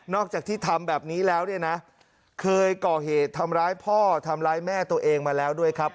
อกจากที่ทำแบบนี้แล้วเนี่ยนะเคยก่อเหตุทำร้ายพ่อทำร้ายแม่ตัวเองมาแล้วด้วยครับ